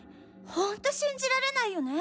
ホント信じられないよね！